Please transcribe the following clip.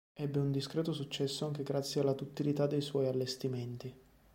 Ebbe un discreto successo anche grazie alla duttilità dei suoi allestimenti.